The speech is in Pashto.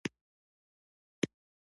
دا په عادي او عاجله بڼه ویشل شوې.